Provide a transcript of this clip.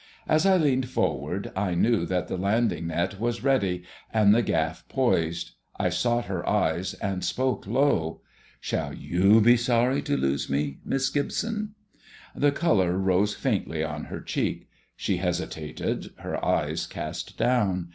As I leaned forward, I knew that the landing net was ready, and the gaff poised. I sought her eyes, and spoke low. "Shall you be sorry to lose me, Miss Gibson?" The colour rose faintly on her cheek. She hesitated, her eyes cast down.